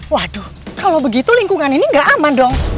waduh kalau begitu lingkungan ini gak aman dong